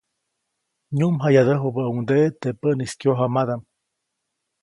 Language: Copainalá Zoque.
Nyuʼmjayadäjubäʼuŋdeʼe teʼ päʼnis kyojamadaʼm.